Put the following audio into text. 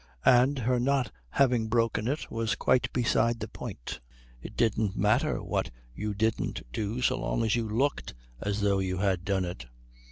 And her not having broken it was quite beside the point; it didn't matter what you didn't do so long as you looked as though you had done it.